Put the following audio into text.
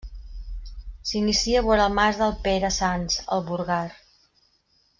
S'inicia vora el Mas del Pere Sanç, al Burgar.